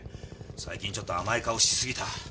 最近ちょっと甘い顔しすぎた。